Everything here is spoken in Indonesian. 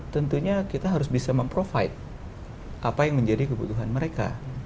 tentunya kita harus bisa memprovide apa yang menjadi kebutuhan mereka